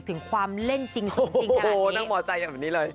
ถึงความเล่นจริงสนจริงขนาดนี้